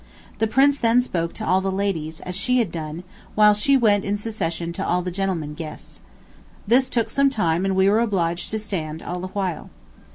The Prince then spoke to all the ladies, as she had done, while she went in succession to all the gentlemen guests. This took some time and we were obliged to stand all the while.